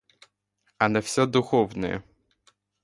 Она вся духовная...